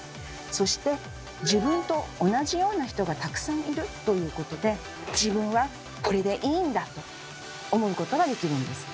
そして自分と同じような人がたくさんいるということで「自分はこれでいいんだ！」と思うことができるんです。